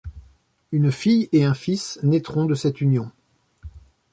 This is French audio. Une fille et un fils naîtront de cette union.